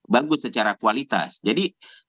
bagus secara kualitas jadi